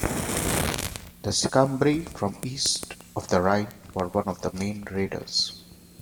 The Sicambri, from east of the Rhine, were one of the main raiders.